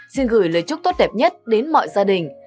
xin gửi lời chúc tốt đẹp nhất đến mọi gia đình